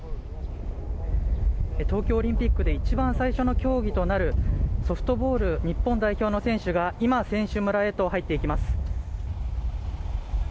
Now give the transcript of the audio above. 東京オリンピックで一番最初の競技となるソフトボール日本代表の選手が今、選手村へと入っていきます。